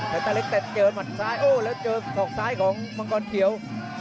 แต่ตาเล็กแต่เจอหมัดซ้ายโอ้แล้วเจอศอกซ้ายของมังกรเขียว